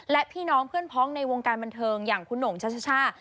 และพี่น้องเพื่อนพ้องในวงการบันเทิงอย่างคุณหน่งชัชช่า